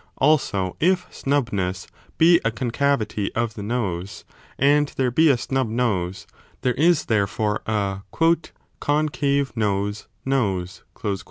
Also, if snub ness be a concavity of the nose, and there be a snub nose, there is therefore a l con cave nose nose